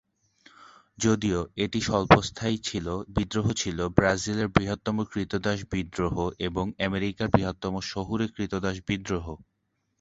যদিও এটি স্বল্পস্থায়ী ছিল, বিদ্রোহ ছিল ব্রাজিলের বৃহত্তম ক্রীতদাস বিদ্রোহ এবং আমেরিকার বৃহত্তম শহুরে ক্রীতদাস বিদ্রোহ।